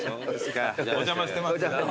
お邪魔してます。